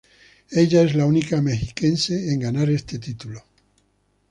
Ella es la única Mexiquense en ganar este título.